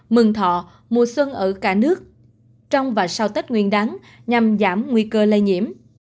mừng thọ mùa xuân ở cả nước trong và sau tết nguyên đắng nhằm giảm nguy cơ lây nhiễm